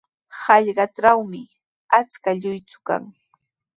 Hallqatrawmi achka lluychu kan.